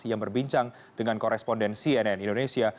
yang berbincang dengan koresponden cnn indonesia